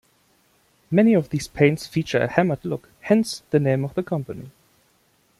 Many of these paints feature a hammered look, hence the name of the company.